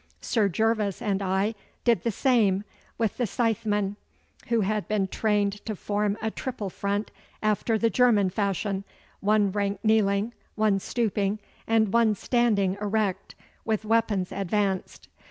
Sir Gervas and I did the same with the scythesmen, who had been trained to form a triple front after the German fashion, one rank kneeling, one stooping, and one standing erect, with weapons advanced.